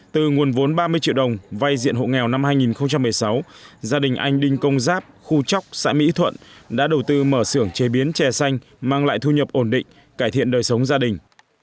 từ nguồn vốn ba mươi triệu đồng vay diện hộ nghèo năm hai nghìn một mươi sáu gia đình anh đinh công giáp khu chóc xã mỹ thuận đã đầu tư mở xưởng chế biến chè xanh mang lại thu nhập ổn định cải thiện đời sống gia đình